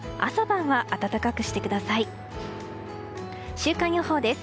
週間予報です。